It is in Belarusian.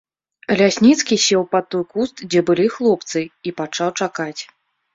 Лясніцкі сеў пад той куст, дзе былі хлопцы, і пачаў чакаць.